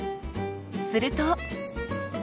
すると。